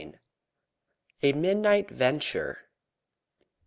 A MIDNIGHT VENTURE.